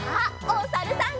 おさるさん。